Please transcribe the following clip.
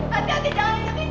hati hati jangan dikepik